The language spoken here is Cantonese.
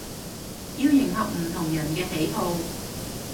要迎合唔同人嘅喜好